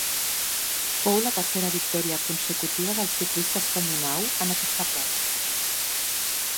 Fou la tercera victòria consecutiva del ciclista escandinau, en aquesta prova.